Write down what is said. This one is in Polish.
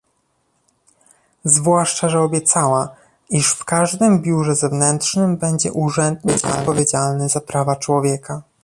Zwłaszcza że obiecała, iż w każdym biurze zewnętrznym będzie urzędnik odpowiedzialny za prawa człowieka